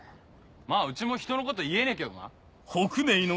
まぁうちもひとのこと言えねえけどな。